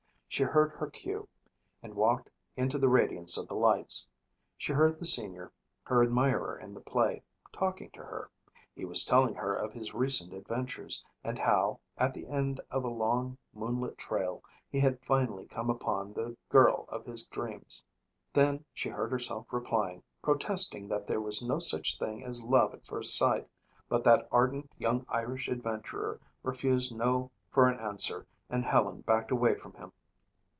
She heard her cue and walked into the radiance of the lights. She heard the senior, her admirer in the play, talking to her. He was telling her of his recent adventures and how, at the end of a long, moonlit trail, he had finally come upon the girl of his dreams. Then she heard herself replying, protesting that there was no such thing as love at first sight, but that ardent young Irish adventurer refused no for an answer and Helen backed away from him.